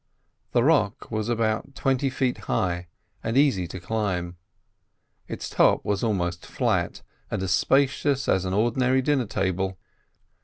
The rock was about twenty feet high, and easy to climb. Its top was almost flat, and as spacious as an ordinary dinner table.